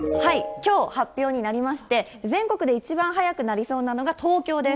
きょう発表になりまして、全国で一番早くなりそうなのが東京です。